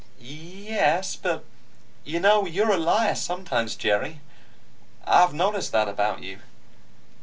"Y e s. But you know, you're a liar sometimes, Jerry. I've noticed that about you."